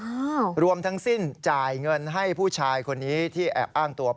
อ้าวรวมทั้งสิ้นจ่ายเงินให้ผู้ชายคนนี้ที่แอบอ้างตัว